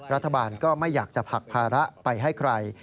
รัฐบาลก็ไม่อยากจะผลักภาระไปให้ใคร